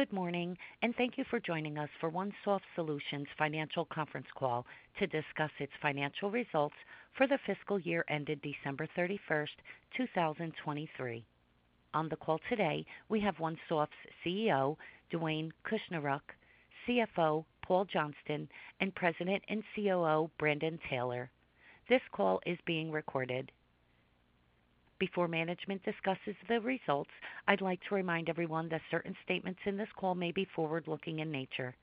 Good morning, and thank you for joining us for OneSoft Solutions Financial Conference Call to discuss its financial results for the fiscal year ended December 31st, 2023. On the call today, we have OneSoft's CEO, Dwayne Kushniruk, CFO, Paul Johnston, and President and COO, Brandon Taylor. This call is being recorded. Before management discusses the results, I'd like to remind everyone that certain statements in this call may be forward-looking in nature.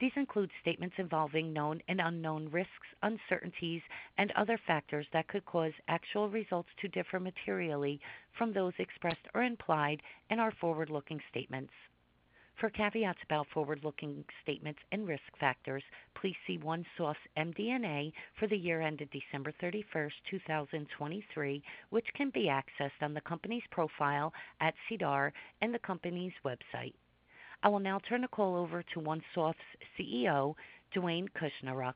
These include statements involving known and unknown risks, uncertainties, and other factors that could cause actual results to differ materially from those expressed or implied and are forward-looking statements. For caveats about forward-looking statements and risk factors, please see OneSoft's MD&A for the year ended December 31st, 2023, which can be accessed on the company's profile at SEDAR and the company's website. I will now turn the call over to OneSoft's CEO, Dwayne Kushniruk.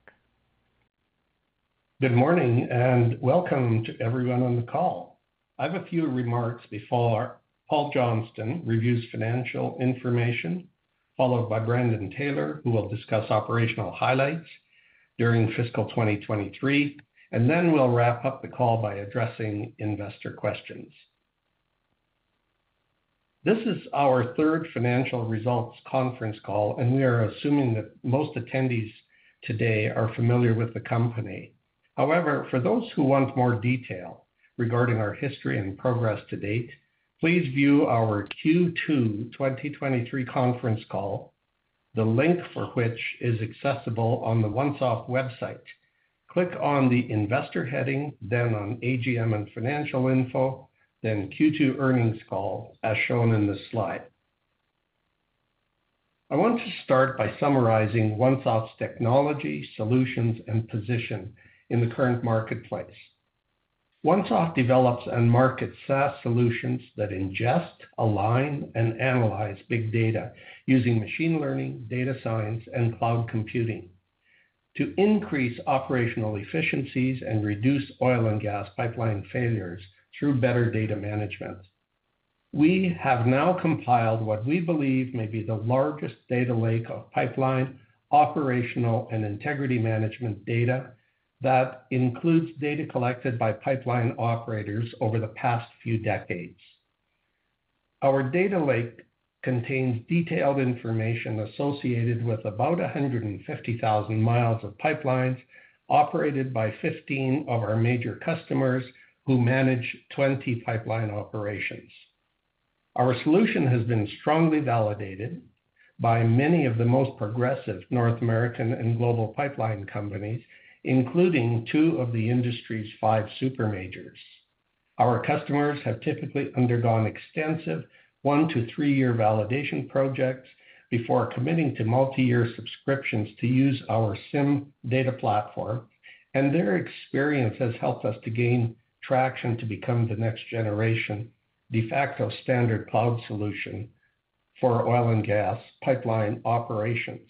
Good morning, and welcome to everyone on the call. I have a few remarks before Paul Johnston reviews financial information, followed by Brandon Taylor, who will discuss operational highlights during fiscal 2023, and then we'll wrap up the call by addressing investor questions. This is our third financial results conference call, and we are assuming that most attendees today are familiar with the company. However, for those who want more detail regarding our history and progress to date, please view our Q2 2023 conference call, the link for which is accessible on the OneSoft website. Click on the Investor heading, then on AGM and Financial Info, then Q2 Earnings Call, as shown in this slide. I want to start by summarizing OneSoft's technology, solutions, and position in the current marketplace. OneSoft develops and markets SaaS solutions that ingest, align, and analyze big data using machine learning, data science, and cloud computing to increase operational efficiencies and reduce oil and gas pipeline failures through better data management. We have now compiled what we believe may be the largest data lake of pipeline, operational, and integrity management data that includes data collected by pipeline operators over the past few decades. Our data lake contains detailed information associated with about 150,000 miles of pipelines operated by 15 of our major customers who manage 20 pipeline operations. Our solution has been strongly validated by many of the most progressive North American and global pipeline companies, including two of the industry's five super majors. Our customers have typically undergone extensive one-three-year validation projects before committing to multi-year subscriptions to use our CIM data platform, and their experience has helped us to gain traction to become the next generation, de facto standard cloud solution for oil and gas pipeline operations.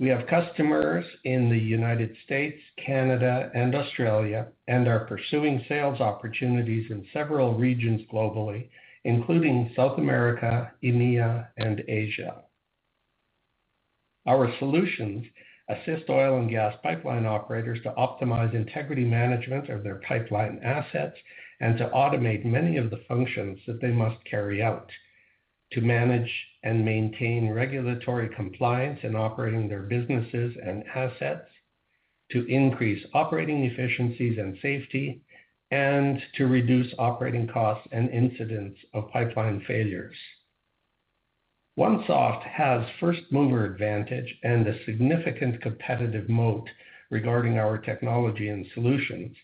We have customers in the United States, Canada, and Australia, and are pursuing sales opportunities in several regions globally, including South America, EMEA, and Asia. Our solutions assist oil and gas pipeline operators to optimize integrity management of their pipeline assets and to automate many of the functions that they must carry out to manage and maintain regulatory compliance in operating their businesses and assets, to increase operating efficiencies and safety, and to reduce operating costs and incidents of pipeline failures. OneSoft has first-mover advantage and a significant competitive moat regarding our technology and solutions,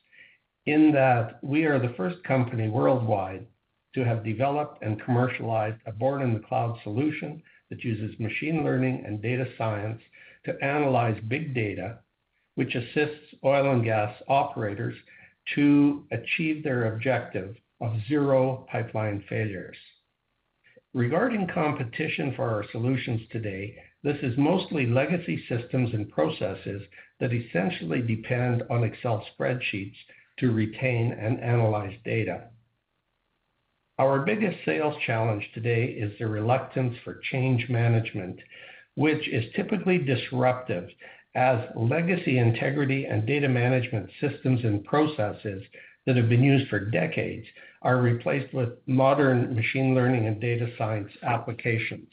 in that we are the first company worldwide to have developed and commercialized a born-in-the-cloud solution that uses machine learning and data science to analyze big data, which assists oil and gas operators to achieve their objective of zero pipeline failures. Regarding competition for our solutions today, this is mostly legacy systems and processes that essentially depend on Excel spreadsheets to retain and analyze data. Our biggest sales challenge today is the reluctance for change management, which is typically disruptive, as legacy integrity and data management systems and processes that have been used for decades are replaced with modern machine learning and data science applications.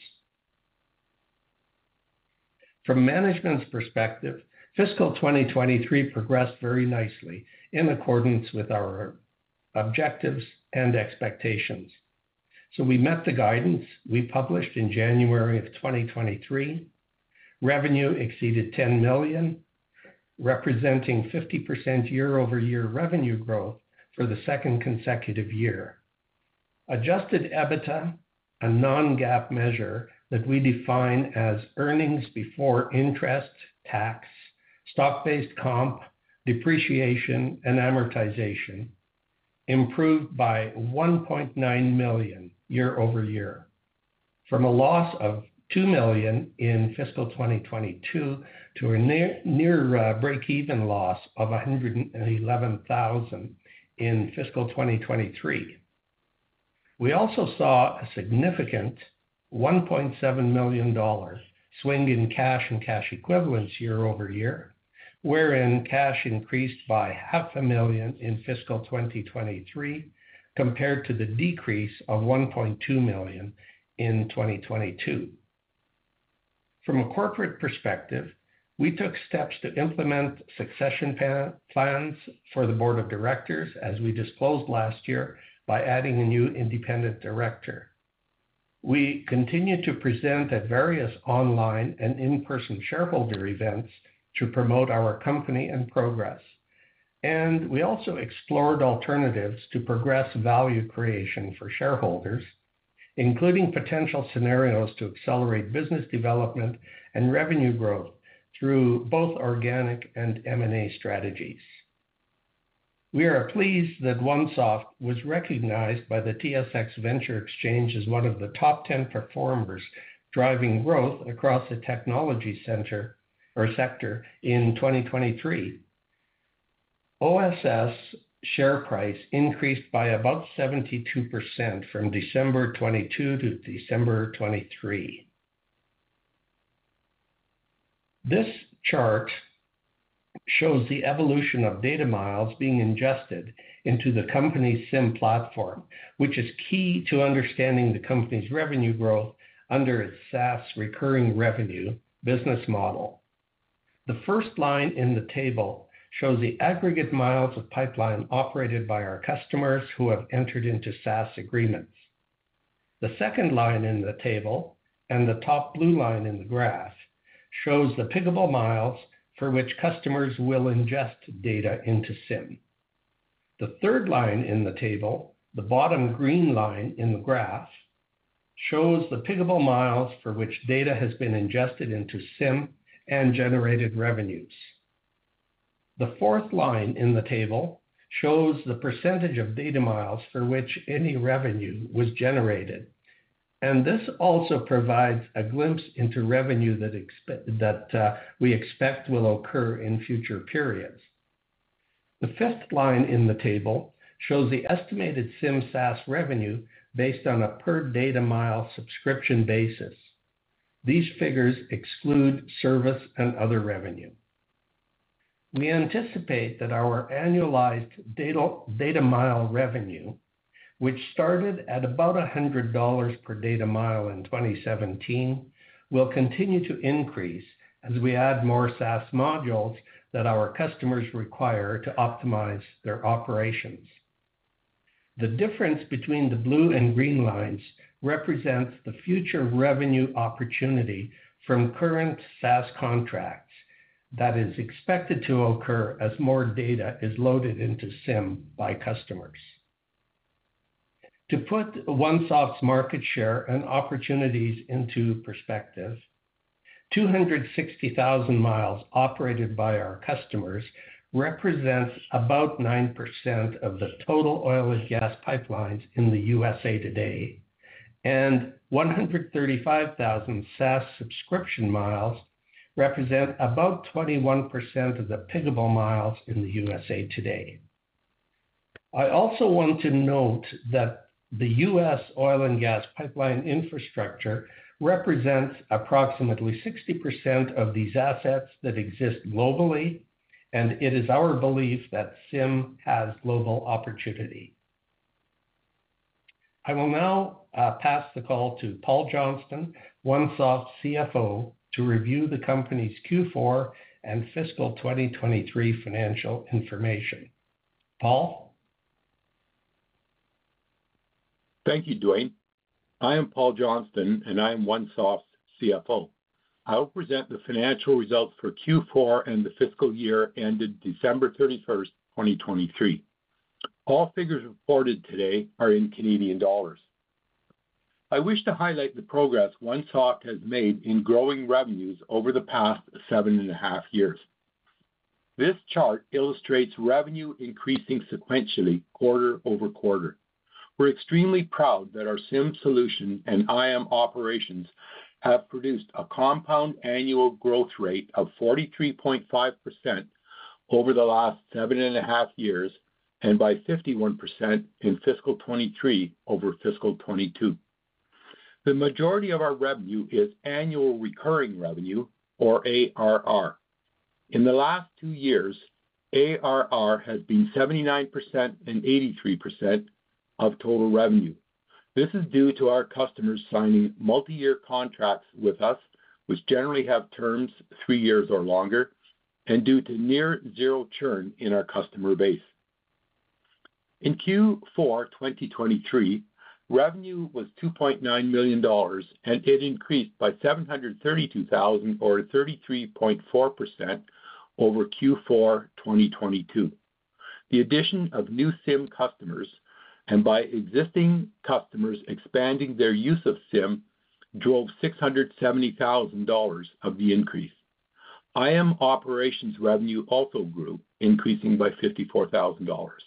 From management's perspective, fiscal 2023 progressed very nicely in accordance with our objectives and expectations. So we met the guidance we published in January of 2023. Revenue exceeded 10 million, representing 50% year-over-year revenue growth for the second consecutive year. Adjusted EBITDA, a non-GAAP measure that we define as earnings before interest, tax, stock-based comp, depreciation, and amortization, improved by 1.9 million year-over-year, from a loss of 2 million in fiscal 2022 to a near breakeven loss of 111,000 in fiscal 2023. We also saw a significant 1.7 million dollars swing in cash and cash equivalents year-over-year, wherein cash increased by 500,000 in fiscal 2023 compared to the decrease of 1.2 million in 2022. From a corporate perspective, we took steps to implement succession plans for the board of directors, as we disclosed last year, by adding a new independent director. We continued to present at various online and in-person shareholder events to promote our company and progress. We also explored alternatives to progress value creation for shareholders, including potential scenarios to accelerate business development and revenue growth through both organic and M&A strategies. We are pleased that OneSoft was recognized by the TSX Venture Exchange as one of the top 10 performers driving growth across the technology center, or sector, in 2023. OSS share price increased by about 72% from December 2022 to December 2023. This chart shows the evolution of data miles being ingested into the company's SIM platform, which is key to understanding the company's revenue growth under its SaaS recurring revenue business model. The first line in the table shows the aggregate miles of pipeline operated by our customers who have entered into SaaS agreements. The second line in the table, and the top blue line in the graph, shows the piggable miles for which customers will ingest data into SIM. The third line in the table, the bottom green line in the graph, shows the piggable miles for which data has been ingested into SIM and generated revenues. The fourth line in the table shows the percentage of data miles for which any revenue was generated, and this also provides a glimpse into revenue that we expect will occur in future periods. The fifth line in the table shows the estimated SIM SaaS revenue based on a per data mile subscription basis. These figures exclude service and other revenue. We anticipate that our annualized data, data mile revenue, which started at about 100 dollars per data mile in 2017, will continue to increase as we add more SaaS modules that our customers require to optimize their operations. The difference between the blue and green lines represents the future revenue opportunity from current SaaS contracts that is expected to occur as more data is loaded into SIM by customers. To put OneSoft's market share and opportunities into perspective, 260,000 miles operated by our customers represents about 9% of the total oil and gas pipelines in the USA today, and 135,000 SaaS subscription miles represent about 21% of the piggable miles in the USA today. I also want to note that the U.S. oil and gas pipeline infrastructure represents approximately 60% of these assets that exist globally, and it is our belief that SIM has global opportunity. I will now pass the call to Paul Johnston, OneSoft's CFO, to review the company's Q4 and fiscal 2023 financial information. Paul? Thank you, Duane. I am Paul Johnston, and I am OneSoft's CFO. I will present the financial results for Q4 and the fiscal year ended December 31, 2023. All figures reported today are in Canadian dollars. I wish to highlight the progress OneSoft has made in growing revenues over the past 7.5 years. This chart illustrates revenue increasing sequentially quarter-over-quarter. We're extremely proud that our SIM solution and IM operations have produced a compound annual growth rate of 43.5% over the last 7.5 years, and by 51% in fiscal 2023 over fiscal 2022. The majority of our revenue is annual recurring revenue, or ARR. In the last 2 years, ARR has been 79% and 83% of total revenue. This is due to our customers signing multiyear contracts with us, which generally have terms three years or longer, and due to near zero churn in our customer base. In Q4 2023, revenue was 2.9 million dollars, and it increased by 732,000 or 33.4% over Q4 2022. The addition of new SIM customers and by existing customers expanding their use of SIM drove 670,000 dollars of the increase. IM operations revenue also grew, increasing by 54,000 dollars.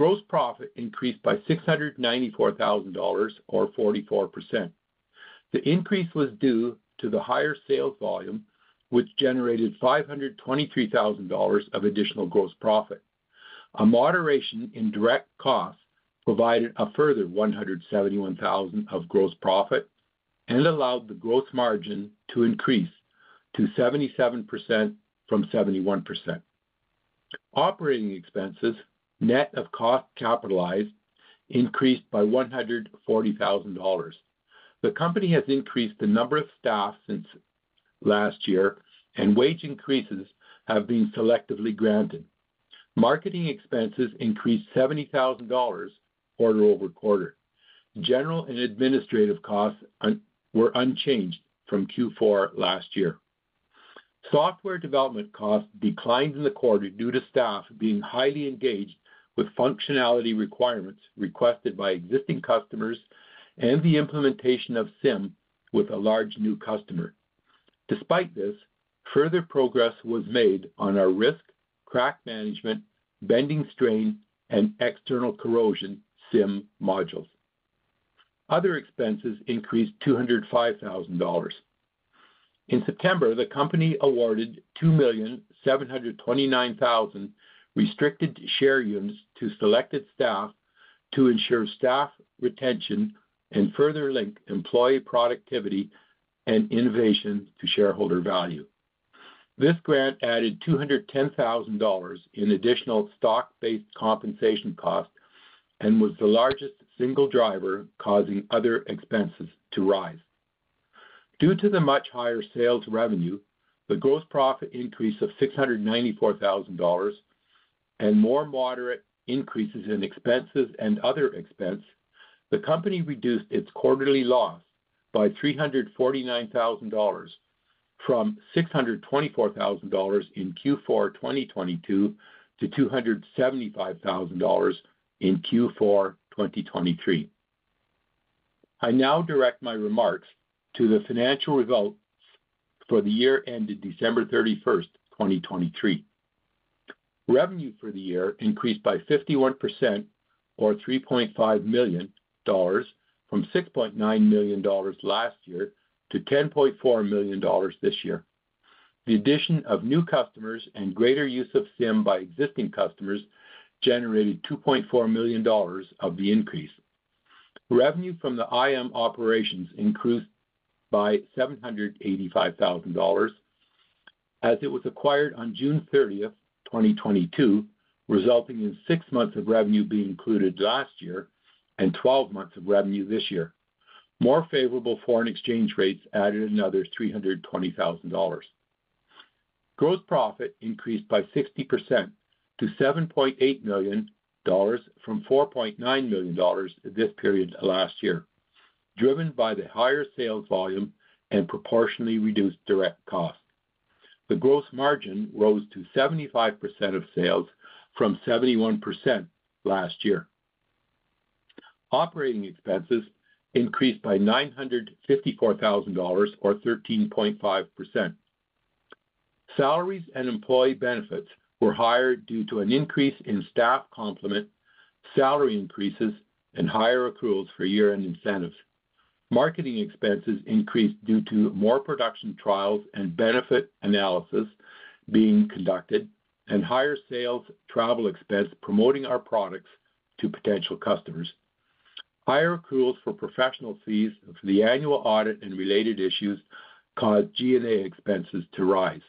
Gross profit increased by 694,000 dollars, or 44%. The increase was due to the higher sales volume, which generated 523,000 dollars of additional gross profit. A moderation in direct costs provided a further 171,000 of gross profit and allowed the gross margin to increase to 77% from 71%. Operating expenses, net of cost capitalized, increased by 140,000 dollars. The company has increased the number of staff since last year, and wage increases have been selectively granted. Marketing expenses increased 70,000 dollars quarter-over-quarter. General and administrative costs were unchanged from Q4 last year. Software development costs declined in the quarter due to staff being highly engaged with functionality requirements requested by existing customers and the implementation of SIM with a large new customer. Despite this, further progress was made on our risk, crack management, bending strain, and external corrosion SIM modules. Other expenses increased 205,000 dollars. In September, the company awarded 2,729,000 restricted share units to selected staff to ensure staff retention and further link employee productivity and innovation to shareholder value. This grant added 210,000 dollars in additional stock-based compensation costs and was the largest single driver causing other expenses to rise. Due to the much higher sales revenue, the gross profit increase of 694,000 dollars, and more moderate increases in expenses and other expense, the company reduced its quarterly loss by 349,000 dollars, from 624,000 dollars in Q4 2022 to 275,000 dollars in Q4 2023. I now direct my remarks to the financial results for the year ended December 31st, 2023. Revenue for the year increased by 51%, or 3.5 million dollars, from 6.9 million dollars last year to 10.4 million dollars this year. The addition of new customers and greater use of SIM by existing customers generated 2.4 million dollars of the increase. Revenue from the IM operations increased by 785,000 dollars, as it was acquired on June 30, 2022, resulting in 6 months of revenue being included last year and 12 months of revenue this year. More favorable foreign exchange rates added another 320,000 dollars. Gross profit increased by 60% to 7.8 million dollars from 4.9 million dollars this period last year, driven by the higher sales volume and proportionally reduced direct costs. The gross margin rose to 75% of sales from 71% last year. Operating expenses increased by 954,000 dollars, or 13.5%. Salaries and employee benefits were higher due to an increase in staff complement, salary increases, and higher accruals for year-end incentives. Marketing expenses increased due to more production trials and benefit analysis being conducted, and higher sales travel expense promoting our products to potential customers. Higher accruals for professional fees for the annual audit and related issues caused G&A expenses to rise.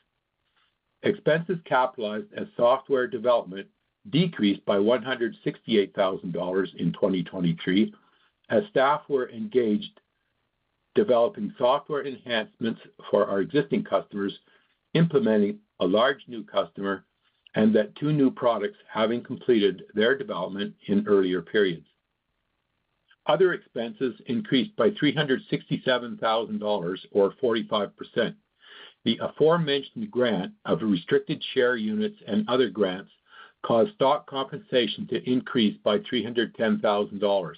Expenses capitalized as software development decreased by 168,000 dollars in 2023, as staff were engaged developing software enhancements for our existing customers, implementing a large new customer, and that two new products having completed their development in earlier periods. Other expenses increased by 367,000 dollars, or 45%. The aforementioned grant of restricted share units and other grants caused stock compensation to increase by 310,000 dollars.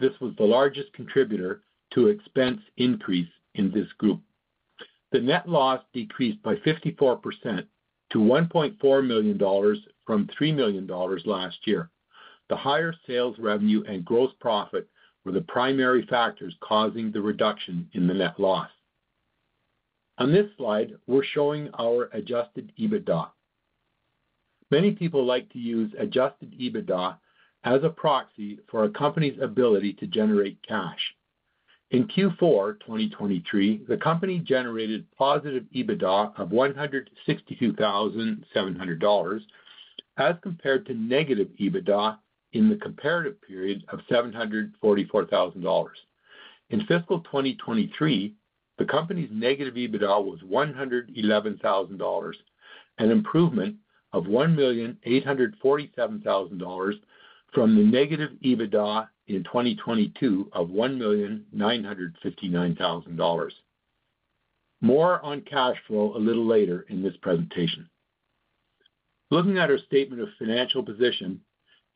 This was the largest contributor to expense increase in this group. The net loss decreased by 54% to 1.4 million dollars from 3 million dollars last year. The higher sales revenue and gross profit were the primary factors causing the reduction in the net loss. On this slide, we're showing our Adjusted EBITDA. Many people like to use Adjusted EBITDA as a proxy for a company's ability to generate cash. In Q4 2023, the company generated positive EBITDA of 162,700 dollars, as compared to negative EBITDA in the comparative period of 744,000 dollars. In fiscal 2023, the company's negative EBITDA was 111,000 dollars, an improvement of 1,847,000 dollars from the negative EBITDA in 2022 of 1,959,000 dollars. More on cash flow a little later in this presentation. Looking at our statement of financial position,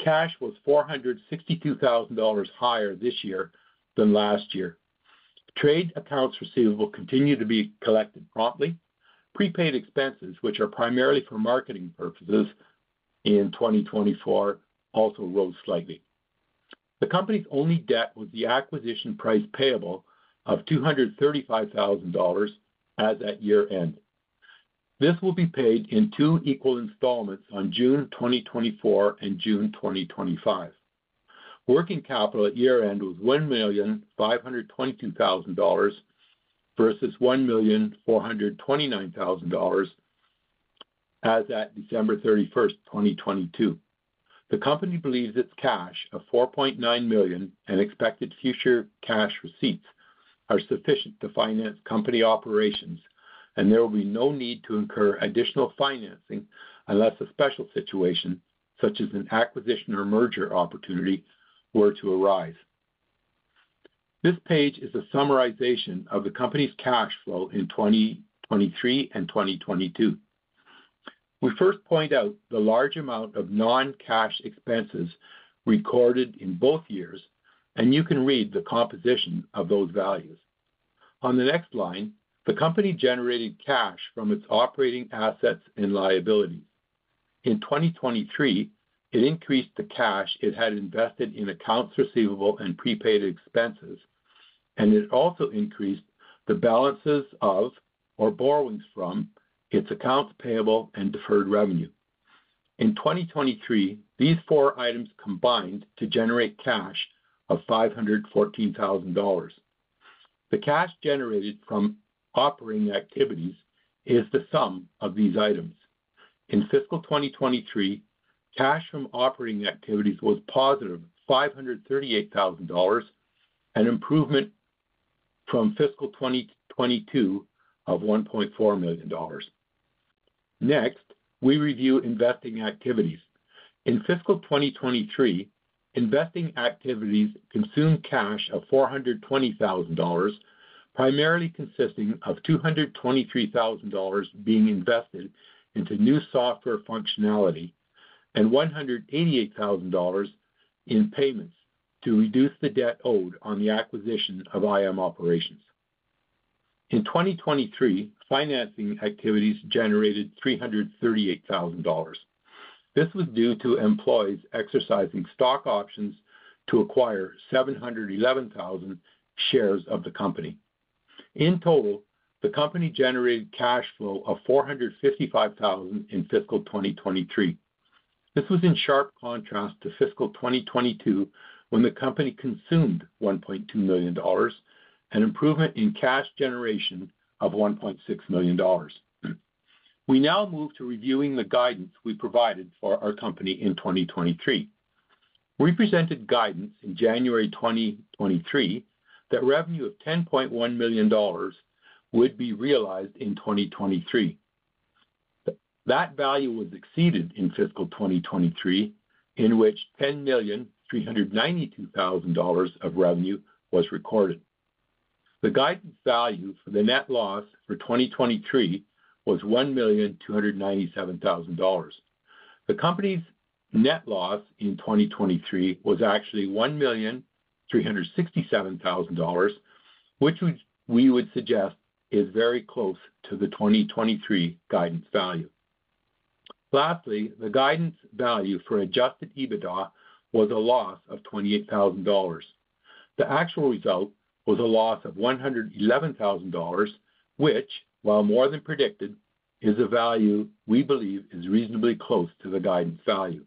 cash was 462,000 dollars higher this year than last year. Trade accounts receivable continued to be collected promptly. Prepaid expenses, which are primarily for marketing purposes in 2024 also rose slightly. The company's only debt was the acquisition price payable of 235,000 dollars as at year-end. This will be paid in two equal installments on June 2024 and June 2025. Working capital at year-end was 1,522,000 dollars, versus 1,429,000 dollars as at December 31st, 2022. The company believes its cash of 4.9 million and expected future cash receipts are sufficient to finance company operations, and there will be no need to incur additional financing unless a special situation, such as an acquisition or merger opportunity, were to arise. This page is a summarization of the company's cash flow in 2023 and 2022. We first point out the large amount of non-cash expenses recorded in both years, and you can read the composition of those values. On the next line, the company generated cash from its operating assets and liabilities. In 2023, it increased the cash it had invested in accounts receivable and prepaid expenses, and it also increased the balances of, or borrowings from, its accounts payable and deferred revenue. In 2023, these four items combined to generate cash of 514,000 dollars. The cash generated from operating activities is the sum of these items. In fiscal 2023, cash from operating activities was positive 538,000 dollars, an improvement from fiscal 2022 of 1.4 million dollars. Next, we review investing activities. In fiscal 2023, investing activities consumed cash of 420,000 dollars, primarily consisting of 223,000 dollars being invested into new software functionality and 188,000 dollars in payments to reduce the debt owed on the acquisition of IM Operations. In 2023, financing activities generated 338,000 dollars. This was due to employees exercising stock options to acquire 711,000 shares of the company. In total, the company generated cash flow of 455,000 in fiscal 2023. This was in sharp contrast to fiscal 2022, when the company consumed 1.2 million dollars, an improvement in cash generation of 1.6 million dollars. We now move to reviewing the guidance we provided for our company in 2023. We presented guidance in January 2023, that revenue of 10.1 million dollars would be realized in 2023. That value was exceeded in fiscal 2023, in which 10,392,000 dollars of revenue was recorded. The guidance value for the net loss for 2023 was 1,297,000 dollars. The company's net loss in 2023 was actually 1,367,000 dollars, which we would suggest is very close to the 2023 guidance value. Lastly, the guidance value for Adjusted EBITDA was a loss of 28,000 dollars. The actual result was a loss of 111,000 dollars, which, while more than predicted, is a value we believe is reasonably close to the guidance value.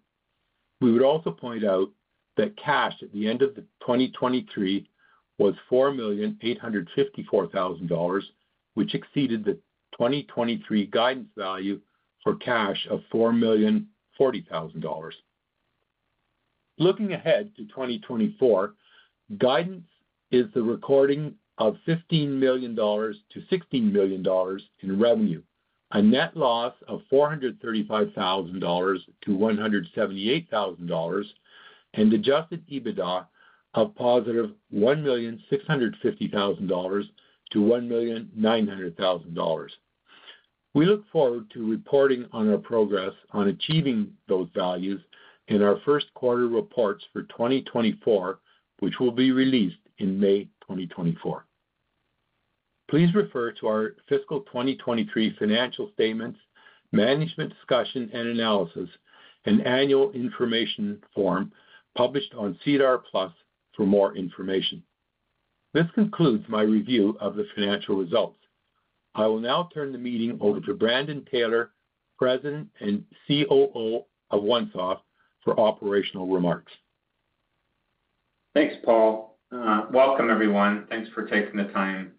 We would also point out that cash at the end of 2023 was CAD 4,854,000, which exceeded the 2023 guidance value for cash of CAD 4,040,000. Looking ahead to 2024, guidance is the recording of 15 million-16 million dollars in revenue, a net loss of 435,000-178,000 dollars, and adjusted EBITDA of positive 1,650,000-1,900,000 dollars. We look forward to reporting on our progress on achieving those values in our first quarter reports for 2024, which will be released in May 2024. Please refer to our fiscal 2023 financial statements, management discussion and analysis, and annual information form published on SEDAR+ for more information. This concludes my review of the financial results. I will now turn the meeting over to Brandon Taylor, President and COO of OneSoft, for operational remarks. Thanks, Paul. Welcome, everyone. Thanks for taking the time.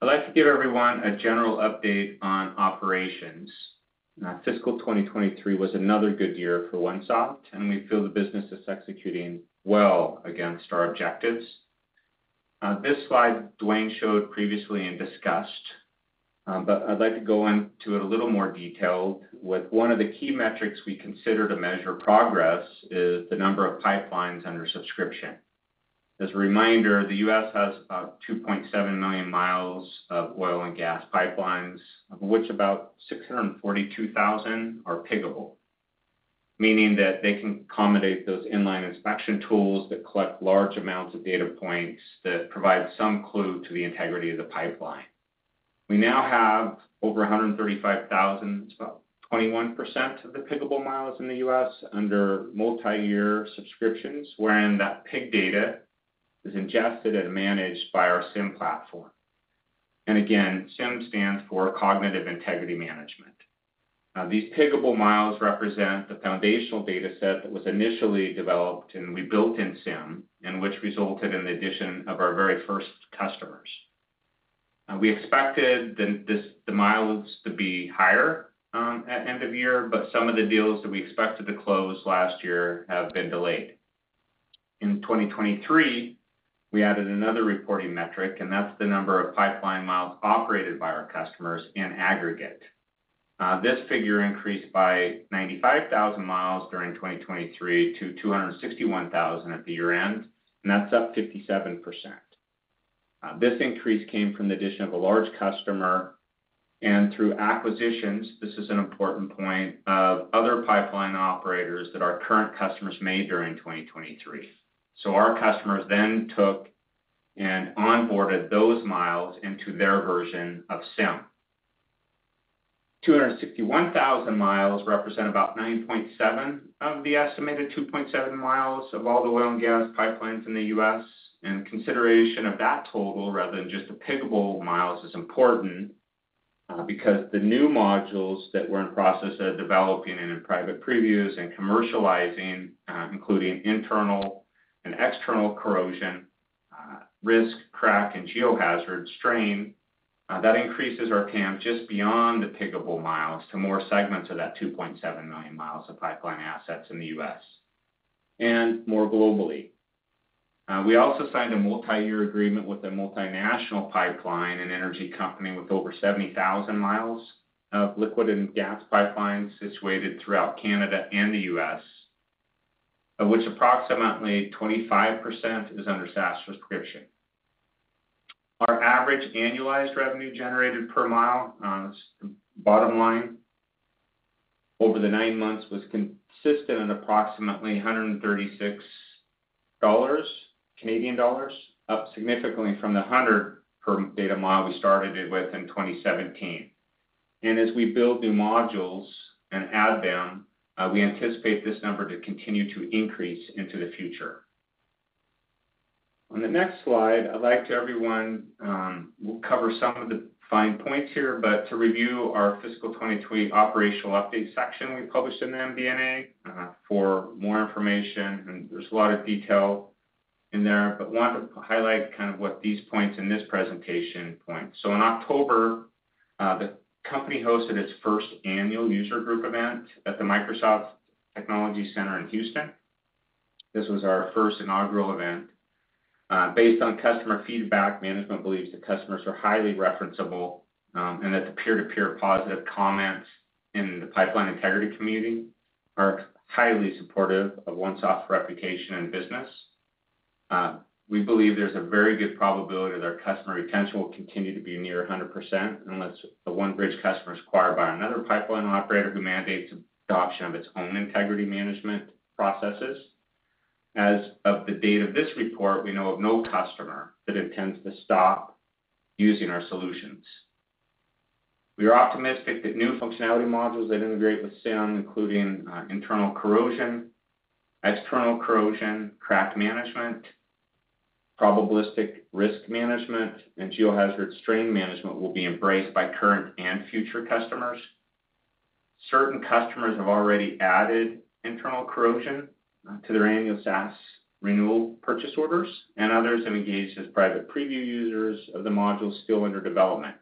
I'd like to give everyone a general update on operations. Fiscal 2023 was another good year for OneSoft, and we feel the business is executing well against our objectives. This slide Dwayne showed previously and discussed, but I'd like to go into it a little more detail. With one of the key metrics we consider to measure progress is the number of pipelines under subscription. As a reminder, the U.S. has about 2.7 million miles of oil and gas pipelines, of which about 642,000 are piggable, meaning that they can accommodate those in-line inspection tools that collect large amounts of data points that provide some clue to the integrity of the pipeline.... We now have over 135,000, it's about 21% of the piggable miles in the U.S. under multi-year subscriptions, wherein that pig data is ingested and managed by our CIM platform. Again, CIM stands for Cognitive Integrity Management. These piggable miles represent the foundational data set that was initially developed, and we built in CIM, and which resulted in the addition of our very first customers. We expected the miles to be higher at year-end, but some of the deals that we expected to close last year have been delayed. In 2023, we added another reporting metric, and that's the number of pipeline miles operated by our customers in aggregate. This figure increased by 95,000 miles during 2023 to 261,000 at year-end, and that's up 57%. This increase came from the addition of a large customer and through acquisitions. This is an important point, of other pipeline operators that our current customers made during 2023. So our customers then took and onboarded those miles into their version of CIM. 261,000 miles represent about 9.7% of the estimated 2.7 million miles of all the oil and gas pipelines in the U.S., and consideration of that total rather than just the piggable miles is important, because the new modules that we're in the process of developing and in private previews and commercializing, including internal and external corrosion, risk, crack, and geohazard strain, that increases our TAM just beyond the piggable miles to more segments of that 2.7 million miles of pipeline assets in the U.S., and more globally. We also signed a multi-year agreement with a multinational pipeline and energy company with over 70,000 miles of liquid and gas pipelines situated throughout Canada and the U.S., of which approximately 25% is under SaaS subscription. Our average annualized revenue generated per mile, bottom line, over the nine months was consistent at approximately 136 Canadian dollars, up significantly from the 100 per data mile we started it with in 2017. As we build new modules and add them, we anticipate this number to continue to increase into the future. On the next slide, I'd like to everyone, we'll cover some of the fine points here, but to review our fiscal 2020 operational update section we published in the MD&A, for more information, and there's a lot of detail in there. But want to highlight kind of what these points in this presentation point. So in October, the company hosted its first annual user group event at the Microsoft Technology Center in Houston. This was our first inaugural event. Based on customer feedback, management believes the customers are highly referenceable, and that the peer-to-peer positive comments in the pipeline integrity community are highly supportive of OneSoft's reputation and business. We believe there's a very good probability that our customer retention will continue to be near 100%, unless the OneBridge customer is acquired by another pipeline operator who mandates adoption of its own integrity management processes. As of the date of this report, we know of no customer that intends to stop using our solutions. We are optimistic that new functionality modules that integrate with CIM, including internal corrosion, external corrosion, crack management, probabilistic risk management, and geohazard strain management, will be embraced by current and future customers. Certain customers have already added internal corrosion to their annual SaaS renewal purchase orders, and others have engaged as private preview users of the modules still under development.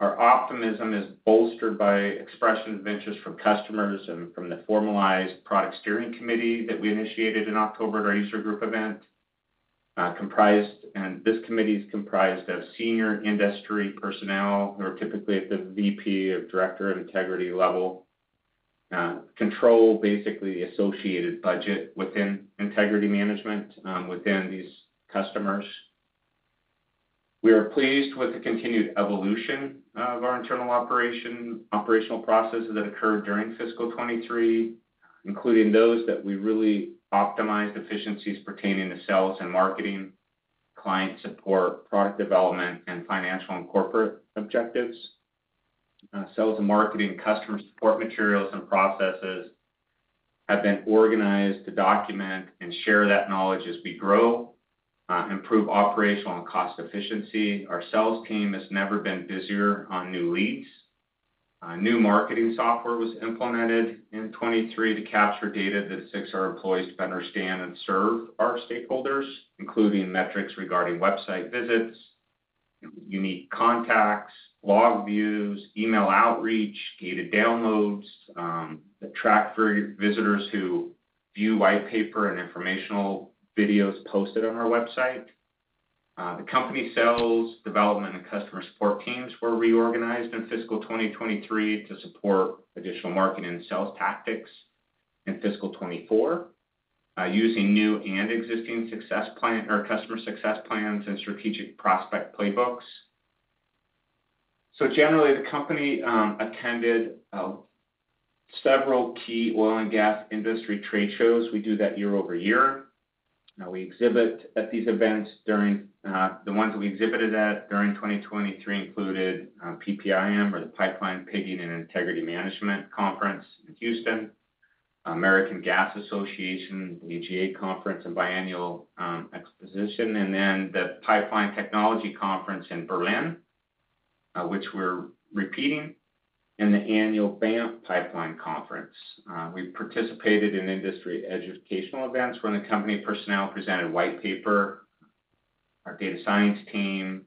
Our optimism is bolstered by expressions of interest from customers and from the formalized product steering committee that we initiated in October at our user group event, comprised of senior industry personnel, who are typically at the VP or director of integrity level, control basically the associated budget within integrity management within these customers. We are pleased with the continued evolution of our internal operational processes that occurred during fiscal 2023, including those that we really optimized efficiencies pertaining to sales and marketing, client support, product development, and financial and corporate objectives. Sales and marketing, customer support materials and processes have been organized to document and share that knowledge as we grow, improve operational and cost efficiency. Our sales team has never been busier on new leads. New marketing software was implemented in 2023 to capture data that assists our employees to better understand and serve our stakeholders, including metrics regarding website visits, unique contacts, log views, email outreach, gated downloads, that track for visitors who view white paper and informational videos posted on our website. The company sales, development, and customer support teams were reorganized in fiscal 2023 to support additional marketing and sales tactics in fiscal 2024, using new and existing success plan or customer success plans and strategic prospect playbooks. So generally, the company attended several key oil and gas industry trade shows. We do that year-over-year. Now, we exhibit at these events during the ones we exhibited at during 2023 included PPIM, or the Pipeline Pigging and Integrity Management Conference in Houston, American Gas Association, the AGA conference, and Biennial Exposition, and then the Pipeline Technology Conference in Berlin, which we're repeating, and the annual BAM Pipeline Conference. We participated in industry educational events when the company personnel presented white paper. Our data science team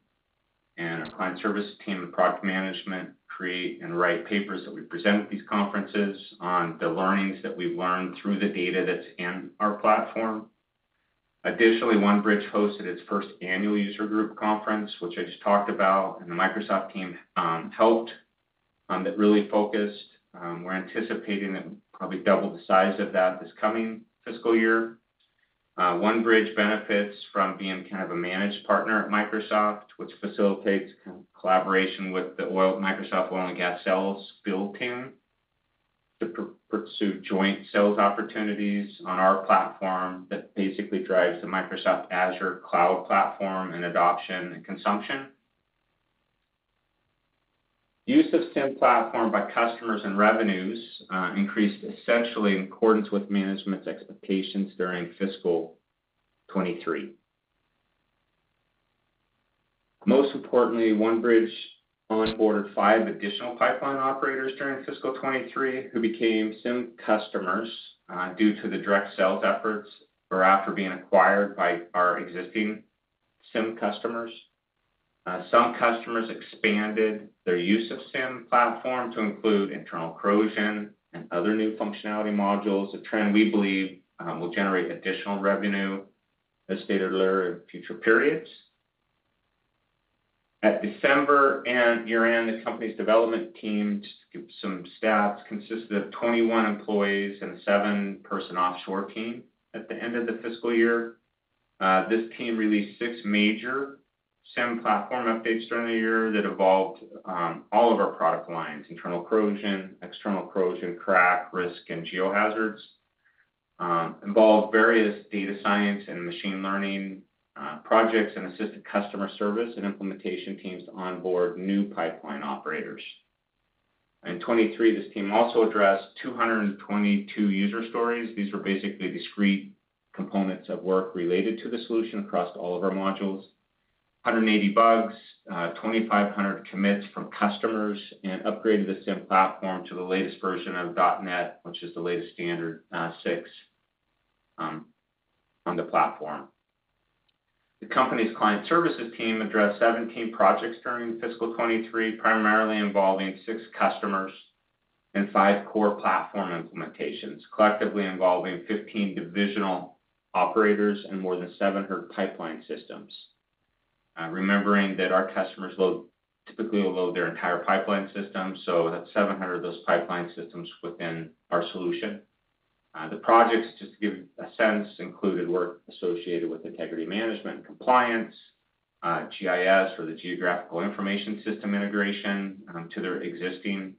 and our client service team and product management create and write papers that we present at these conferences on the learnings that we've learned through the data that's in our platform. Additionally, OneBridge hosted its first annual user group conference, which I just talked about, and the Microsoft team helped. That really focused. We're anticipating that we'll probably double the size of that this coming fiscal year. OneBridge benefits from being kind of a managed partner at Microsoft, which facilitates collaboration with the Microsoft oil and gas sales team, to pursue joint sales opportunities on our platform that basically drives the Microsoft Azure cloud platform and adoption and consumption. Use of SIM platform by customers and revenues increased essentially in accordance with management's expectations during fiscal 2023. Most importantly, OneBridge onboarded five additional pipeline operators during fiscal 2023, who became SIM customers due to the direct sales efforts, or after being acquired by our existing SIM customers. Some customers expanded their use of SIM platform to include internal corrosion and other new functionality modules, a trend we believe will generate additional revenue, as stated earlier, in future periods. At December and year-end, the company's development team, just to give some stats, consisted of 21 employees and a seven-person offshore team at the end of the fiscal year. This team released six major SIM platform updates during the year that evolved all of our product lines, internal corrosion, external corrosion, crack, risk, and geohazards. Involved various data science and machine learning projects, and assisted customer service and implementation teams to onboard new pipeline operators. In 2023, this team also addressed 222 user stories. These were basically discrete components of work related to the solution across all of our modules, 180 bugs, 2,500 commits from customers, and upgraded the SIM platform to the latest version of .NET, which is the latest standard, six, on the platform. The company's client services team addressed 17 projects during fiscal 2023, primarily involving six customers and five core platform implementations, collectively involving 15 divisional operators and more than 700 pipeline systems. Remembering that our customers typically will load their entire pipeline system, so that's 700 of those pipeline systems within our solution. The projects, just to give a sense, included work associated with integrity management and compliance, GIS, or the Geographical Information System, integration, to their existing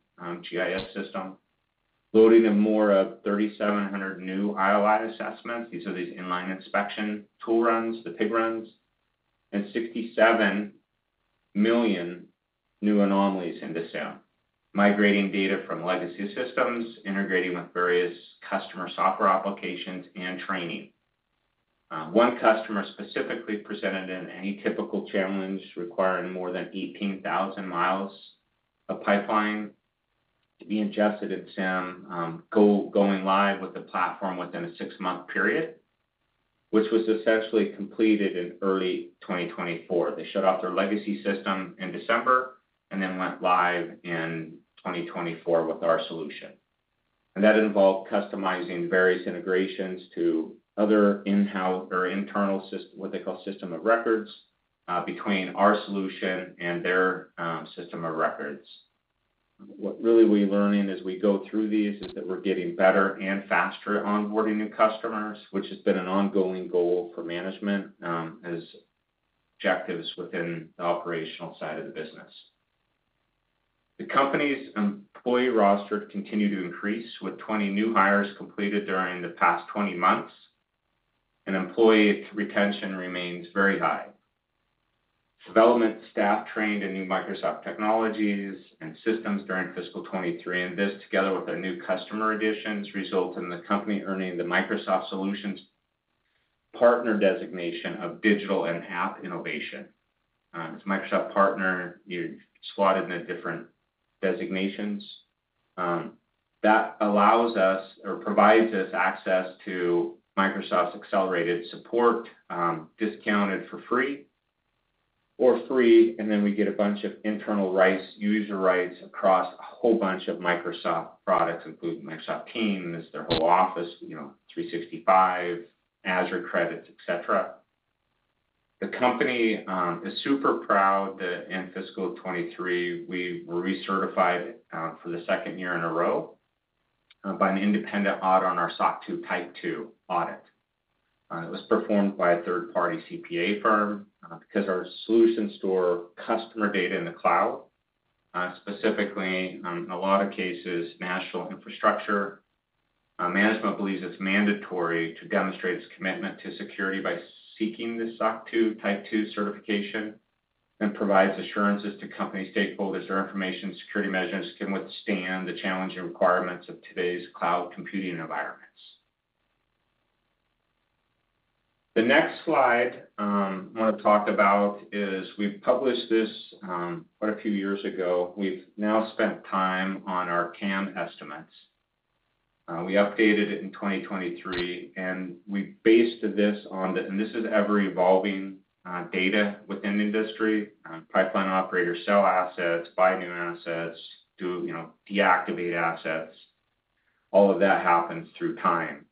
GIS system, loading them more of 3,700 new ILI assessments. These are in-line inspection tool runs, the pig runs, and 67 million new anomalies into SIM, migrating data from legacy systems, integrating with various customer software applications and training. One customer specifically presented an atypical challenge, requiring more than 18,000 miles of pipeline to be ingested in SIM, going live with the platform within a six-month period, which was essentially completed in early 2024. They shut off their legacy system in December and then went live in 2024 with our solution. That involved customizing various integrations to other in-house or internal what they call system of records, between our solution and their, system of records. What really we're learning as we go through these is that we're getting better and faster at onboarding new customers, which has been an ongoing goal for management, as objectives within the operational side of the business. The company's employee roster continued to increase, with 20 new hires completed during the past 20 months, and employee retention remains very high. Development staff trained in new Microsoft technologies and systems during fiscal 2023, and this, together with our new customer additions, result in the company earning the Microsoft Solutions partner designation of Digital and App Innovation. As a Microsoft partner, you're slotted into different designations. That allows us or provides us access to Microsoft's accelerated support, discounted or free, and then we get a bunch of internal rights, user rights, across a whole bunch of Microsoft products, including Microsoft Teams, their whole Office, you know, 365, Azure credits, et cetera. The company is super proud that in fiscal 2023, we were recertified for the second year in a row by an independent audit on our SOC 2 Type 2 audit. It was performed by a third-party CPA firm because our solutions store customer data in the cloud, specifically, in a lot of cases, national infrastructure. Management believes it's mandatory to demonstrate its commitment to security by seeking the SOC 2 Type 2 certification, and provides assurances to company stakeholders that our information security measures can withstand the challenging requirements of today's cloud computing environments. The next slide, I wanna talk about is, we've published this, quite a few years ago. We've now spent time on our TAM estimates. We updated it in 2023, and we based this on the-- and this is ever-evolving, data within the industry. Pipeline operators sell assets, buy new assets, do, you know, deactivate assets. All of that happens through time.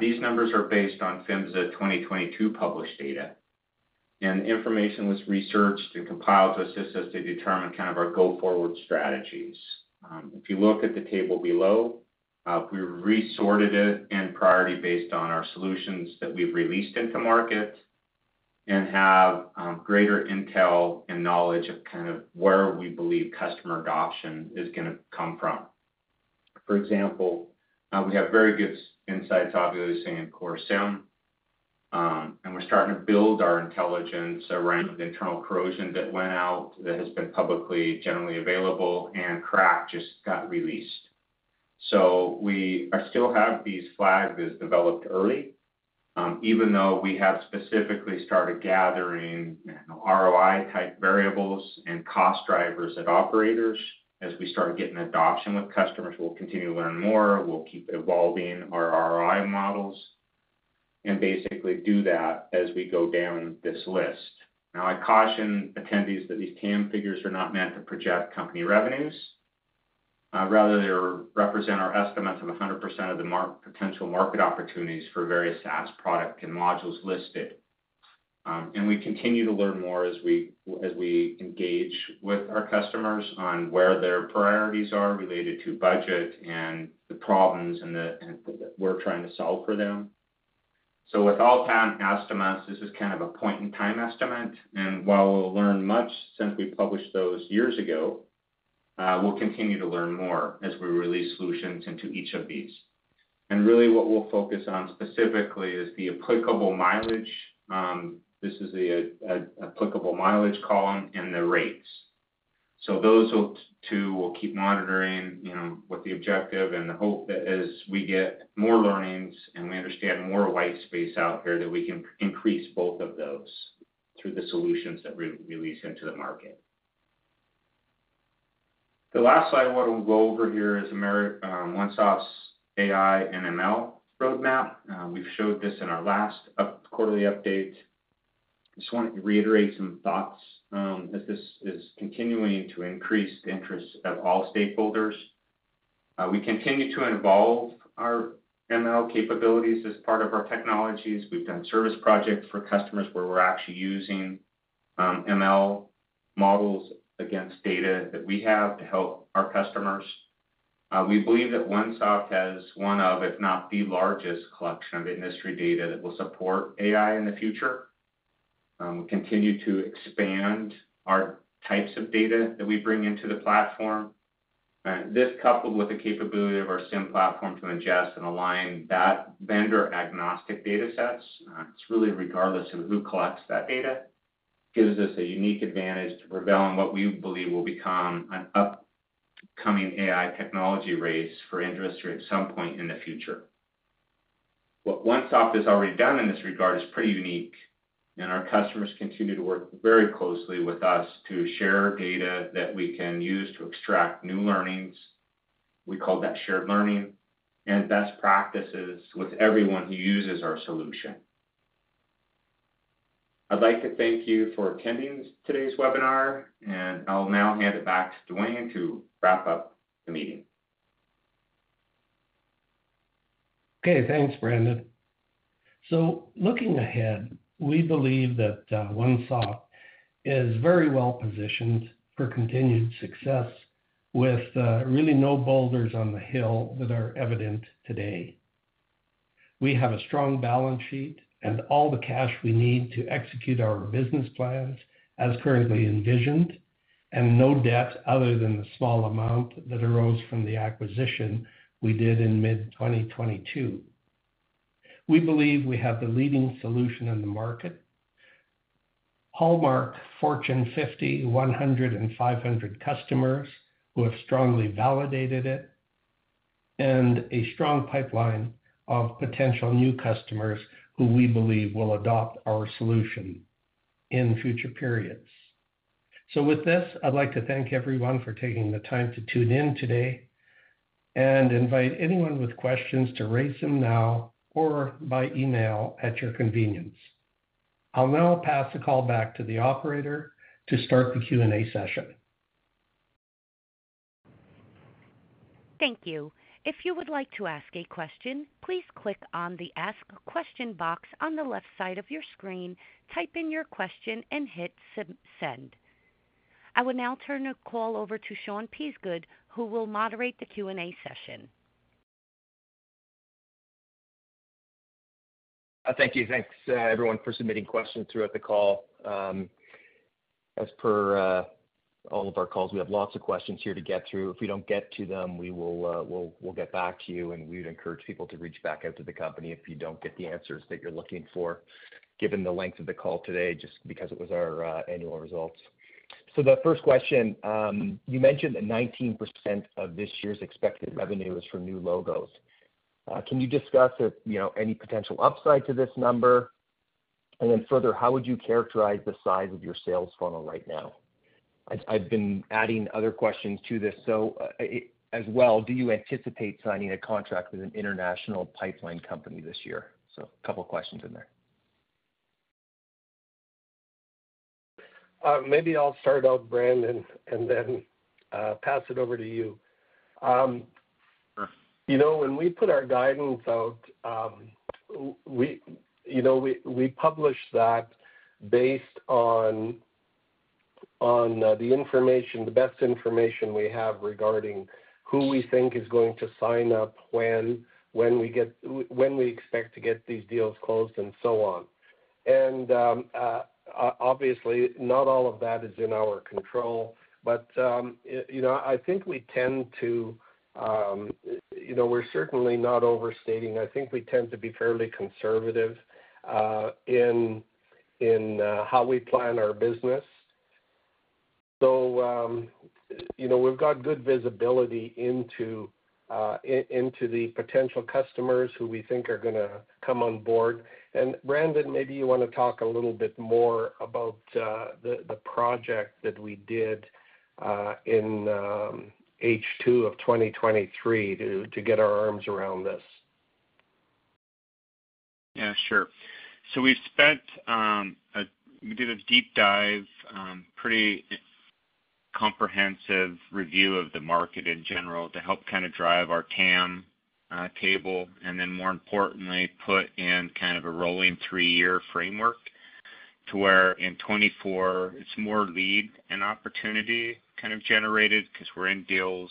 These numbers are based on PHMSA 2022 published data, and the information was researched and compiled to assist us to determine kind of our go-forward strategies. If you look at the table below, we resorted it and priority based on our solutions that we've released into market, and have greater intel and knowledge of kind of where we believe customer adoption is gonna come from. For example, we have very good insights, obviously, in Core SIM. And we're starting to build our intelligence around the internal corrosion that went out, that has been publicly generally available, and crack just got released. So we are still have these flags as developed early, even though we have specifically started gathering ROI-type variables and cost drivers at operators. As we start getting adoption with customers, we'll continue to learn more. We'll keep evolving our ROI models, and basically do that as we go down this list. Now, I caution attendees that these TAM figures are not meant to project company revenues, rather they represent our estimates of 100% of the market potential market opportunities for various SaaS product and modules listed. And we continue to learn more as we, as we engage with our customers on where their priorities are related to budget and the problems and the, and that we're trying to solve for them. So with all TAM estimates, this is kind of a point-in-time estimate, and while we'll learn much since we published those years ago, we'll continue to learn more as we release solutions into each of these. And really, what we'll focus on specifically is the applicable mileage. This is the applicable mileage column and the rates. So those will-- two, we'll keep monitoring, you know, with the objective and the hope that as we get more learnings and we understand more white space out there, that we can increase both of those through the solutions that we release into the market. The last slide I wanna go over here is OneSoft's AI and ML roadmap. We've showed this in our last quarterly update. Just want to reiterate some thoughts, as this is continuing to increase the interest of all stakeholders. We continue to involve our ML capabilities as part of our technologies. We've done service projects for customers, where we're actually using ML models against data that we have to help our customers. We believe that OneSoft has one of, if not the largest collection of industry data that will support AI in the future. We continue to expand our types of data that we bring into the platform. This, coupled with the capability of our SIM platform to ingest and align that vendor-agnostic data sets, it's really regardless of who collects that data, gives us a unique advantage to prevail on what we believe will become an upcoming AI technology race for industry at some point in the future. What OneSoft has already done in this regard is pretty unique, and our customers continue to work very closely with us to share data that we can use to extract new learnings, we call that shared learning, and best practices with everyone who uses our solution. I'd like to thank you for attending today's webinar, and I'll now hand it back to Dwayne to wrap up the meeting. Okay, thanks, Brandon. So looking ahead, we believe that, OneSoft is very well positioned for continued success with, really no boulders on the hill that are evident today. We have a strong balance sheet and all the cash we need to execute our business plans as currently envisioned, and no debt other than the small amount that arose from the acquisition we did in mid-2022. We believe we have the leading solution in the market, hallmark, Fortune 50, 100, and 500 customers who have strongly validated it, and a strong pipeline of potential new customers who we believe will adopt our solution in future periods. So with this, I'd like to thank everyone for taking the time to tune in today, and invite anyone with questions to raise them now or by email at your convenience. I'll now pass the call back to the operator to start the Q&A session. Thank you. If you would like to ask a question, please click on the Ask Question box on the left side of your screen, type in your question, and hit send.... I will now turn the call over to Sean Peasgood, who will moderate the Q&A session. Thank you. Thanks, everyone, for submitting questions throughout the call. As per all of our calls, we have lots of questions here to get through. If we don't get to them, we will, we'll get back to you, and we'd encourage people to reach back out to the company if you don't get the answers that you're looking for, given the length of the call today, just because it was our annual results. So the first question, you mentioned that 19% of this year's expected revenue is from new logos. Can you discuss if, you know, any potential upside to this number? And then further, how would you characterize the size of your sales funnel right now? I've been adding other questions to this, so, as well, do you anticipate signing a contract with an international pipeline company this year? So a couple questions in there. Maybe I'll start out, Brandon, and then pass it over to you. You know, when we put our guidance out, we, you know, we publish that based on, on, the information, the best information we have regarding who we think is going to sign up, when we expect to get these deals closed and so on. Obviously, not all of that is in our control, but, you know, I think we tend to, you know, we're certainly not overstating. I think we tend to be fairly conservative in how we plan our business. So, you know, we've got good visibility into the potential customers who we think are gonna come on board. Brandon, maybe you wanna talk a little bit more about the project that we did in H2 of 2023 to get our arms around this. Yeah, sure. So we've spent, we did a deep dive, pretty comprehensive review of the market in general to help kind of drive our TAM, table, and then more importantly, put in kind of a rolling three-year framework to where in 2024, it's more lead and opportunity kind of generated because we're in deals.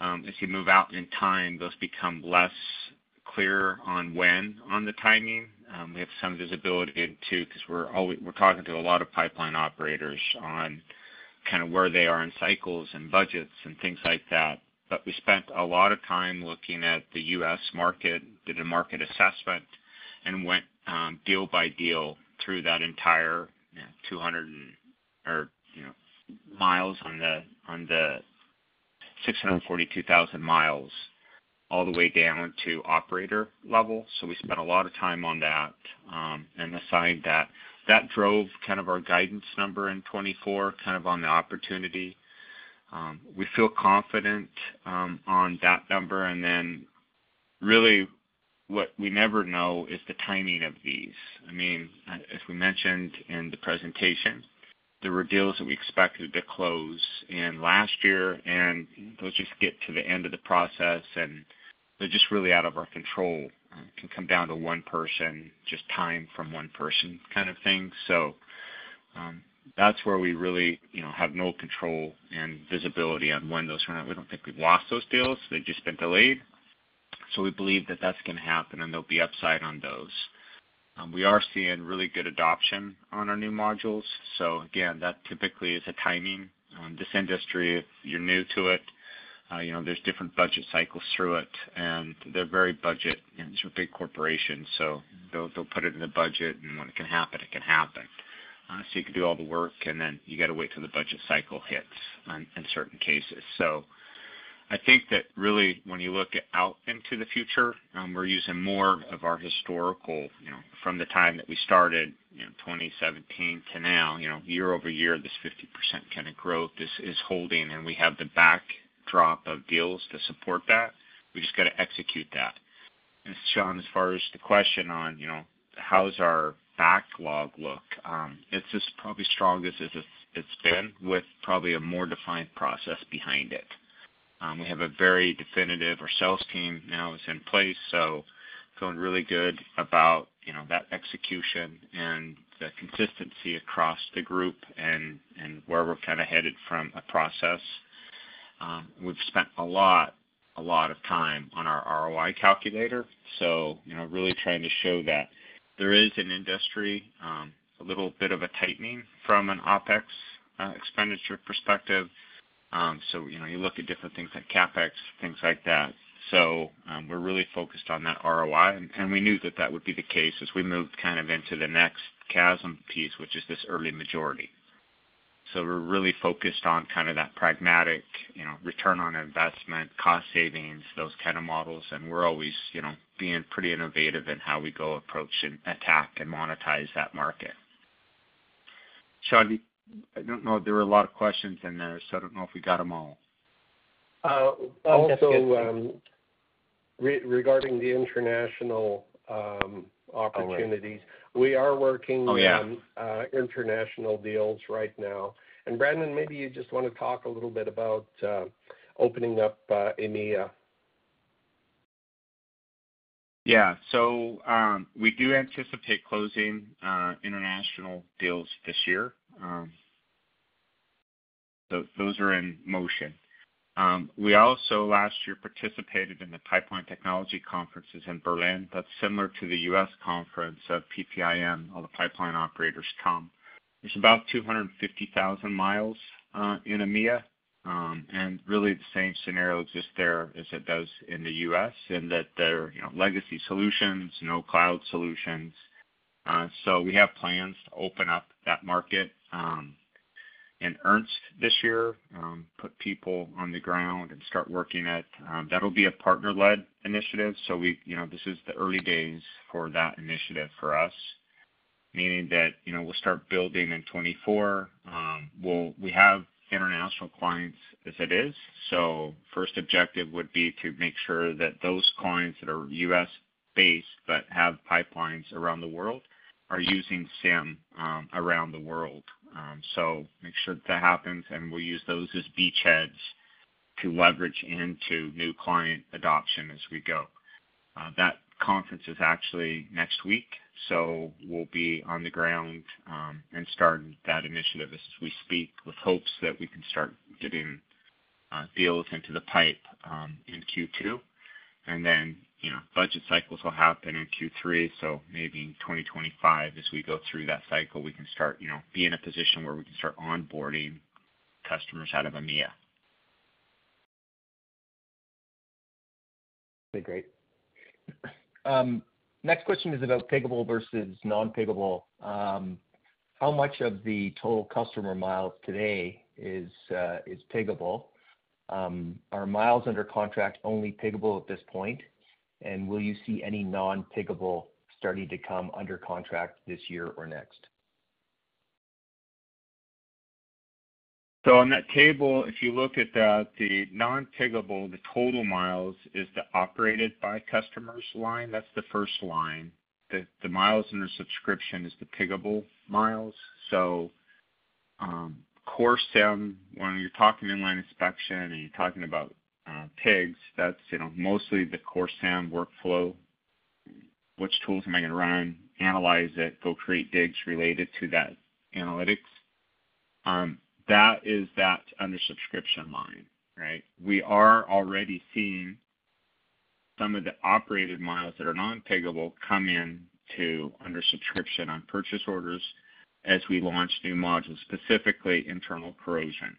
As you move out in time, those become less clear on when, on the timing. We have some visibility into, because we're always-- we're talking to a lot of pipeline operators on kind of where they are in cycles and budgets and things like that. But we spent a lot of time looking at the U.S. market, did a market assessment, and went deal by deal through that entire 200 or, you know, miles on the 642,000 miles, all the way down to operator level. So we spent a lot of time on that, and assigned that. That drove kind of our guidance number in 2024, kind of on the opportunity. We feel confident on that number, and then really, what we never know is the timing of these. I mean, as we mentioned in the presentation, there were deals that we expected to close in last year, and they'll just get to the end of the process, and they're just really out of our control. It can come down to one person, just time from one person kind of thing. So, that's where we really, you know, have no control and visibility on when those are gonna we don't think we've lost those deals, they've just been delayed. So we believe that that's gonna happen, and there'll be upside on those. We are seeing really good adoption on our new modules. So again, that typically is a timing. This industry, if you're new to it, you know, there's different budget cycles through it, and they're very budget, and these are big corporations, so they'll, they'll put it in the budget, and when it can happen, it can happen. So you can do all the work, and then you gotta wait till the budget cycle hits on, in certain cases. So I think that really, when you look out into the future, we're using more of our historical, you know, from the time that we started, you know, 2017 to now, you know, year-over-year, this 50% kind of growth, this is holding, and we have the backdrop of deals to support that. We just got to execute that. And Sean, as far as the question on, you know, how's our backlog look? It's as probably strong as it's, it's been, with probably a more defined process behind it. We have a very definitive, our sales team now is in place, so feeling really good about, you know, that execution and the consistency across the group and, and where we're kind of headed from a process. We've spent a lot, a lot of time on our ROI calculator, so, you know, really trying to show that there is an industry, a little bit of a tightening from an OpEx expenditure perspective. So, you know, you look at different things like CapEx, things like that. So, we're really focused on that ROI, and we knew that that would be the case as we moved kind of into the next chasm piece, which is this early majority. So we're really focused on kind of that pragmatic, you know, return on investment, cost savings, those kind of models, and we're always, you know, being pretty innovative in how we go approach and attack and monetize that market. Sean, I don't know there were a lot of questions in there, so I don't know if we got them all. Also, regarding the international opportunities- Oh, yeah. We are working on international deals right now. And Brandon, maybe you just want to talk a little bit about opening up EMEA.... Yeah. So, we do anticipate closing international deals this year. So those are in motion. We also last year participated in the Pipeline Technology Conferences in Berlin. That's similar to the U.S. conference of PPIM, all the pipeline operators come. There's about 250,000 miles in EMEA. And really, the same scenario exists there as it does in the U.S., in that there are, you know, legacy solutions, no cloud solutions. So we have plans to open up that market in earnest this year, put people on the ground and start working it. That'll be a partner-led initiative. So we, you know, this is the early days for that initiative for us, meaning that, you know, we'll start building in 2024. We'll, we have international clients as it is, so first objective would be to make sure that those clients that are US-based but have pipelines around the world are using CIM around the world. So make sure that happens, and we'll use those as beachheads to leverage into new client adoption as we go. That conference is actually next week, so we'll be on the ground and starting that initiative as we speak, with hopes that we can start getting deals into the pipe in Q2. And then, you know, budget cycles will happen in Q3, so maybe in 2025, as we go through that cycle, we can start, you know, be in a position where we can start onboarding customers out of EMEA. Okay, great. Next question is about piggable versus non-piggable. How much of the total customer miles today is piggable? Are miles under contract only piggable at this point? And will you see any non-piggable starting to come under contract this year or next? So on that table, if you look at the non-piggable, the total miles is the operated by customers line. That's the first line. The miles under subscription is the piggable miles. So, core CIM, when you're talking inline inspection and you're talking about, pigs, that's, you know, mostly the core CIM workflow. Which tools am I gonna run, analyze it, go create digs related to that analytics? That is that under subscription line, right? We are already seeing some of the operated miles that are non-piggable come in to under subscription on purchase orders as we launch new modules, specifically internal corrosion.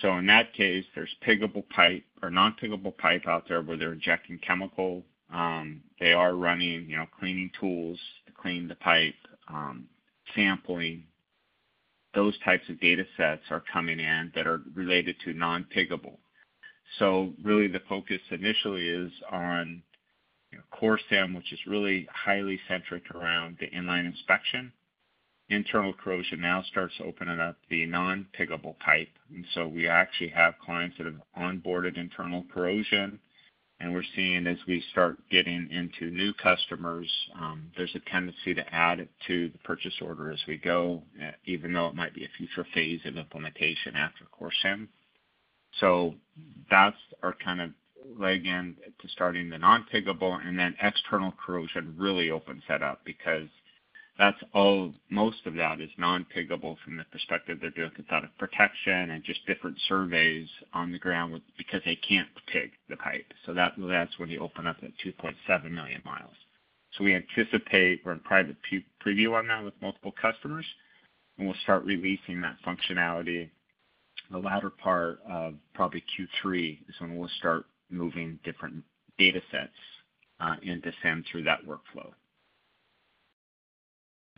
So in that case, there's piggable pipe or non-piggable pipe out there where they're injecting chemical. They are running, you know, cleaning tools to clean the pipe, sampling. Those types of data sets are coming in that are related to non-piggable. So really the focus initially is on, you know, core CIM, which is really highly centric around the inline inspection. Internal corrosion now starts opening up the non-piggable pipe, and so we actually have clients that have onboarded internal corrosion, and we're seeing as we start getting into new customers, there's a tendency to add it to the purchase order as we go, even though it might be a future phase of implementation after core CIM. So that's our kind of leg in to starting the non-piggable, and then external corrosion really opens that up because that's all most of that is non-piggable from the perspective they're doing it out of protection and just different surveys on the ground with because they can't pig the pipe. So that, that's when you open up the 2.7 million miles. We anticipate we're in private preview on that with multiple customers, and we'll start releasing that functionality. The latter part of probably Q3 is when we'll start moving different data sets into CIM through that workflow.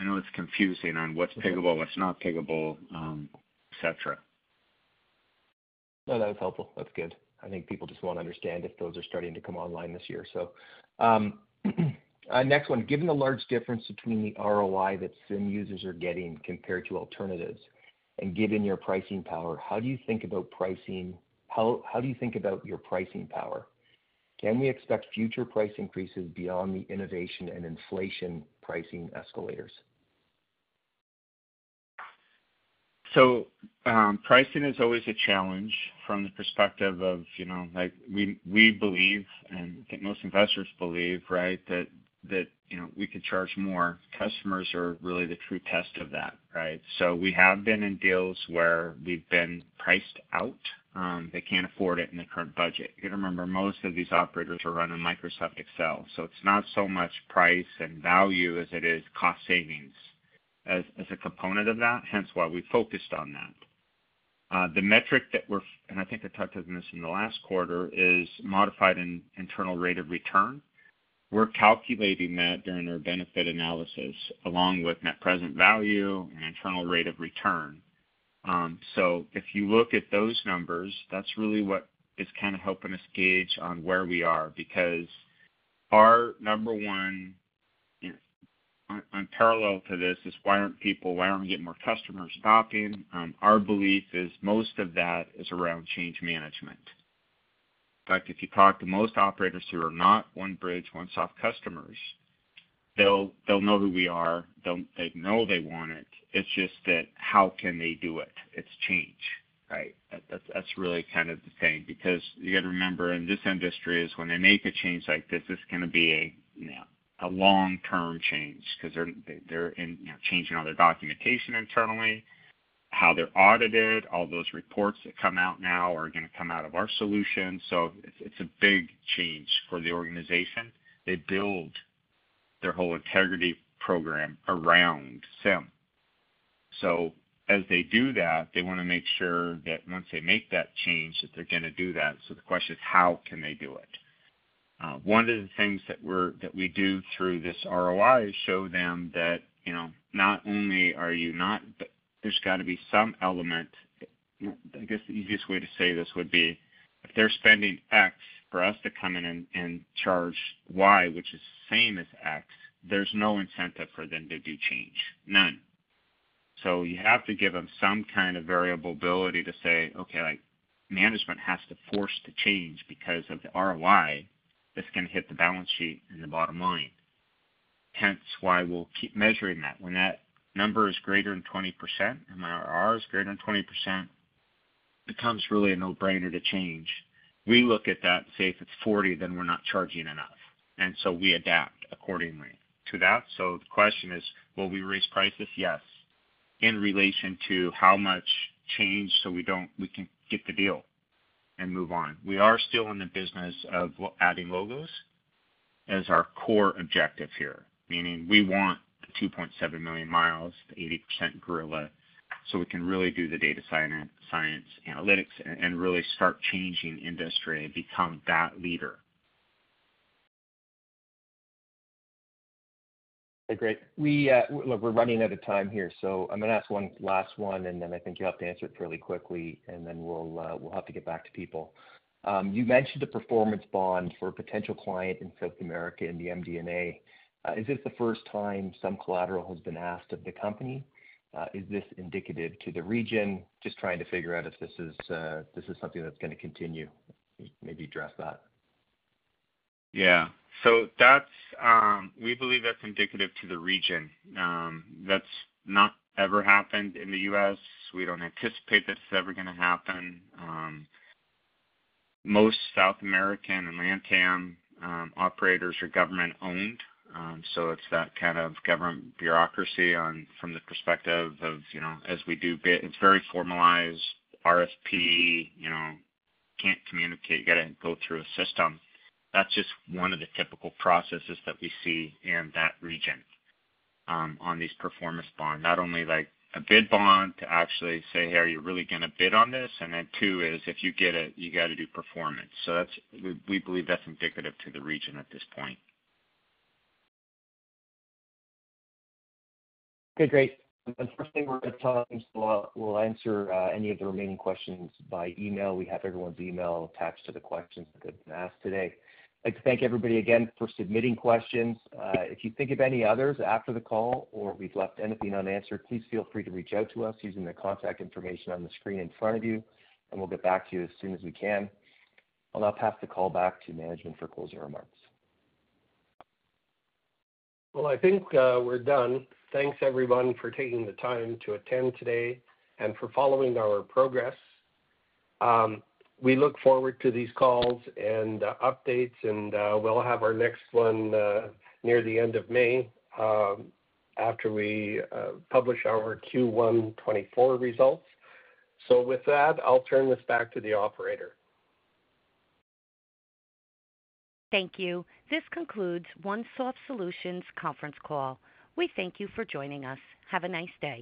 I know it's confusing on what's piggable, what's not piggable, et cetera. No, that was helpful. That's good. I think people just want to understand if those are starting to come online this year. So, next one. Given the large difference between the ROI that CIM users are getting compared to alternatives, and given your pricing power, how do you think about pricing? How, how do you think about your pricing power? Can we expect future price increases beyond the innovation and inflation pricing escalators? So, pricing is always a challenge from the perspective of, you know, like, we, we believe, and I think most investors believe, right, that, that, you know, we could charge more. Customers are really the true test of that, right? So we have been in deals where we've been priced out, they can't afford it in the current budget. You gotta remember, most of these operators are running Microsoft Excel, so it's not so much price and value as it is cost savings as, as a component of that, hence why we focused on that. The metric that we're and I think I talked about this in the last quarter, is modified internal rate of return. We're calculating that during our benefit analysis, along with net present value and internal rate of return. So if you look at those numbers, that's really what is kind of helping us gauge on where we are. Because our number one, you know, on parallel to this, is why aren't people—why aren't we getting more customers stopping? Our belief is most of that is around change management. In fact, if you talk to most operators who are not OneBridge, OneSoft customers—They'll know who we are, they'll—they know they want it. It's just that, how can they do it? It's change, right? That's really kind of the thing, because you got to remember, in this industry is when they make a change like this, it's gonna be a, you know, a long-term change. 'Cause they're in, you know, changing all their documentation internally, how they're audited, all those reports that come out now are gonna come out of our solution. So it's a big change for the organization. They build their whole integrity program around SIM. So as they do that, they wanna make sure that once they make that change, that they're gonna do that. So the question is, how can they do it? One of the things that we do through this ROI is show them that, you know, not only are you not, but there's got to be some element. I guess the easiest way to say this would be, if they're spending X, for us to come in and charge Y, which is same as X, there's no incentive for them to do change. None. So you have to give them some kind of variable ability to say, "Okay, like, management has to force the change because of the ROI that's gonna hit the balance sheet in the bottom line." Hence, why we'll keep measuring that. When that number is greater than 20%, and IRR is greater than 20%, becomes really a no-brainer to change. We look at that and say, if it's 40, then we're not charging enough, and so we adapt accordingly to that. So the question is: will we raise prices? Yes. In relation to how much change, so we don't, we can get the deal and move on. We are still in the business of adding logos as our core objective here, meaning we want the 2.7 million miles, the 80% gorilla, so we can really do the data science, science analytics, and really start changing industry and become that leader. Okay, great. We look, we're running out of time here, so I'm gonna ask one last one, and then I think you'll have to answer it fairly quickly, and then we'll have to get back to people. You mentioned a performance bond for a potential client in South America, in the MD&A. Is this the first time some collateral has been asked of the company? Is this indicative to the region? Just trying to figure out if this is something that's gonna continue. Maybe address that. Yeah. So that's... We believe that's indicative to the region. That's not ever happened in the US. We don't anticipate this is ever gonna happen. Most South American and LATAM operators are government-owned, so it's that kind of government bureaucracy on from the perspective of, you know, as we do. It's very formalized, RFP, you know, can't communicate, you got to go through a system. That's just one of the typical processes that we see in that region, on these performance bond. Not only like a bid bond to actually say, "Hey, are you really gonna bid on this?" And then two is, "If you get it, you got to do performance." So that's- we, we believe that's indicative to the region at this point. Okay, great. The first thing we're gonna talk, we'll answer any of the remaining questions by email. We have everyone's email attached to the questions that have been asked today. I'd like to thank everybody again for submitting questions. If you think of any others after the call or we've left anything unanswered, please feel free to reach out to us using the contact information on the screen in front of you, and we'll get back to you as soon as we can. I'll now pass the call back to management for closing remarks. Well, I think, we're done. Thanks, everyone, for taking the time to attend today and for following our progress. We look forward to these calls and, updates, and, we'll have our next one, near the end of May, after we, publish our Q1 2024 results. So with that, I'll turn this back to the operator. Thank you. This concludes OneSoft Solutions conference call. We thank you for joining us. Have a nice day.